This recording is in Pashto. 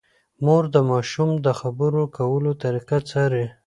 مور د ماشوم د خبرو کولو طریقه څاري۔